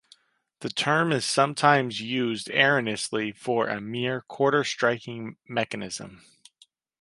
The term is sometimes used erroneously for a mere quarter striking mechanism.